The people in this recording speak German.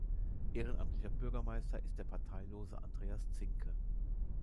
Ehrenamtlicher Bürgermeister ist der parteilose Andreas Zinke.